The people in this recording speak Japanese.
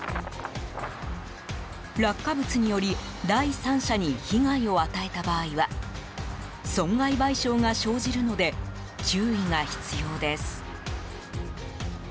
落下物により第三者に被害を与えた場合は損害賠償が生じるので注意が必要です。